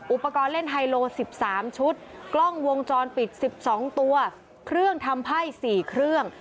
อุปกรณ์เล่นไฮโล๑๓ชุดกล้องวงจรปิด๑๒ตัวเครื่องทำไพ่๔เครื่อง